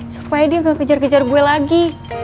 supaya dia nggak kejar kejar gue lagi